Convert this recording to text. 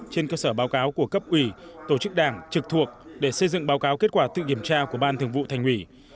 trên cơ sở báo cáo của cấp ủy tổ chức đảng trực thuộc để xây dựng báo cáo kết quả tự kiểm tra của ban thường vụ thành ủy